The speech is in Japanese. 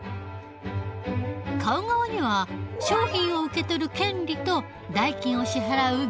買う側には商品を受けとる権利と代金を支払う義務が生まれる。